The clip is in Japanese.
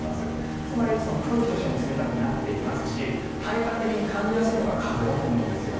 つまり、空気としても冷たくなっていますし体感手金感じやすいのが風だと思うんですよね。